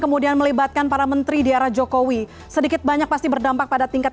kemudian melibatkan para menteri di arah jokowi sedikit banyak pasti berdampak pada tingkat